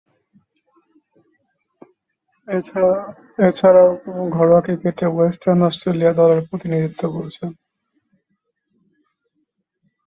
এছাড়াও ঘরোয়া ক্রিকেটে ওয়েস্টার্ন অস্ট্রেলিয়া দলের প্রতিনিধিত্ব করেছেন।